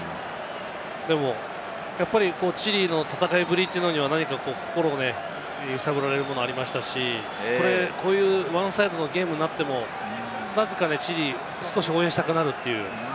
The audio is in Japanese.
でもやっぱりチリの戦いぶりというのには心揺さぶられるものがありましたし、こういうワンサイドのゲームになっても、なぜかチリを応援したくなる。